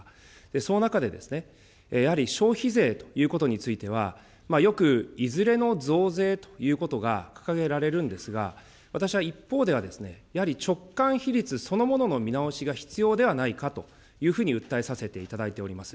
その中で、やはり消費税ということについては、よく、いずれの増税ということが掲げられるんですが、私は一方では、やはり直間比率そのものの見直しが必要ではないかというふうに訴えさせていただいております。